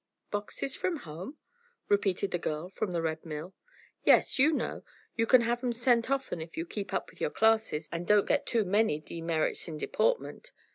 "Boxes from home?" repeated the girl from the Red Mill. "Yes. You know, you can have 'em sent often if you keep up with your classes and don't get too many demerits in deportment.